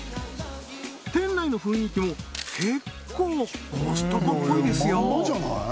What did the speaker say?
店内の雰囲気も結構コストコっぽいですよ